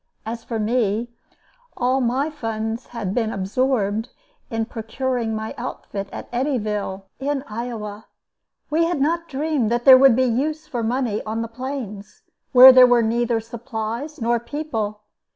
As for me, all my funds had been absorbed in procuring my outfit at Eddyville, in Iowa. We had not dreamed that there would be use for money on the Plains, where there were neither supplies nor people.